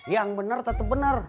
yang bener tetep bener